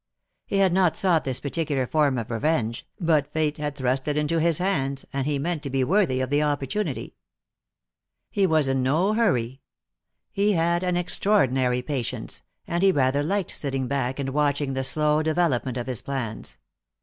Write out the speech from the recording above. He had not sought this particular form of revenge, but Fate had thrust it into his hands, and he meant to be worthy of the opportunity. He was in no hurry. He had extraordinary patience, and he rather liked sitting back and watching the slow development of his plans.